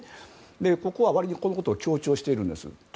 ここは割とこういうことを強調しているんです。